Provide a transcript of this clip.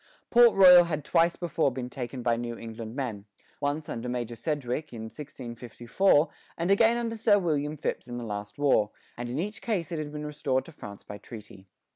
Port Royal had twice before been taken by New England men, once under Major Sedgwick in 1654, and again under Sir William Phips in the last war; and in each case it had been restored to France by treaty.